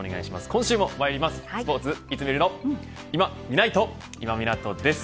今週もまいります。